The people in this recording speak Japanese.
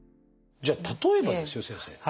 じゃあ例えばですよ先生。